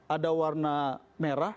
ada warna merah